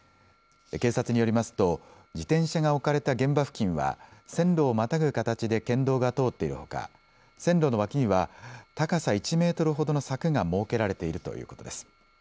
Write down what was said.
警察によりますと自転車が置かれた現場付近は線路をまたぐ形で県道が通っているほか線路の脇には高さ１メートルほどの柵が設けられているということです。